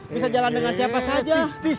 bisa jalan dengan siapa saja